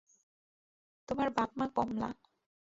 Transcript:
তোমার বাপ-মা– কমলা।